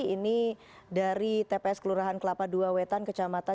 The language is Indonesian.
ini dari tps kelurahan kelapa dua wetan kecamatan